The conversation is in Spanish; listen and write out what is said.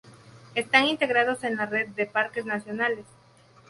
Están integrados en la Red de Parques Nacionales.